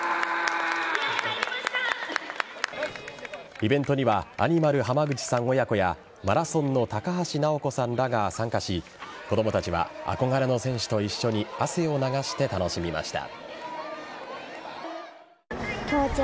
イベントにはアニマル浜口さん親子やマラソンの高橋尚子さんらが参加し子供たちは憧れの選手と一緒に汗を流して楽しみました。